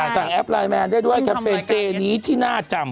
แอปไลน์แมนได้ด้วยแคมเปญเจนี้ที่น่าจำ